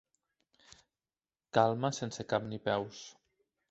Calma sense cap ni peus.